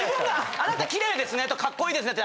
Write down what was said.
「あなた綺麗ですね」と「カッコイイですね」って